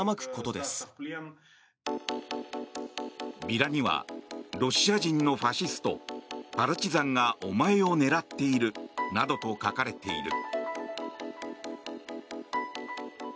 ビラにはロシア人のファシストパルチザンがお前を狙っているなどと書かれている。